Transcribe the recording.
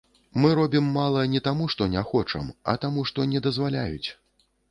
Мы робім мала не таму, што не хочам, а таму, што не дазваляюць.